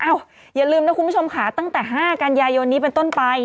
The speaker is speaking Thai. อย่าลืมนะคุณผู้ชมค่ะตั้งแต่๕กันยายนนี้เป็นต้นไป